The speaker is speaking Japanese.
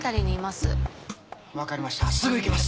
すぐ行きます。